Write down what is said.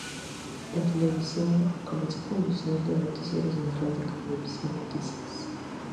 En televisión, comenzó conduciendo el noticiero central de Cablevisión Noticias.